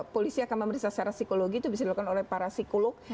polisi akan memeriksa secara psikologi itu bisa dilakukan oleh para psikolog